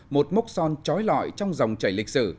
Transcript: một mốc son trói lọi trong dòng chảy lịch sử